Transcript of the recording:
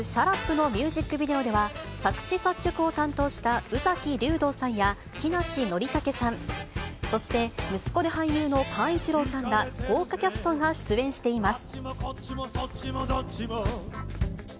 のミュージックビデオでは、作詞・作曲を担当した宇崎竜童さんや木梨憲武さん、そして、息子で俳優の寛一郎さんら、豪華キャストが出演しています。